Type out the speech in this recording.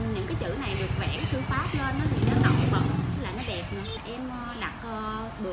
những cái chữ này được vẽ chữ pháp lên thì nó đậu bẩn là nó đẹp